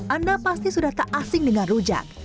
anda pasti sudah tak asing dengan rujak